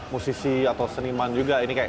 musisi atau seniman juga ini kayak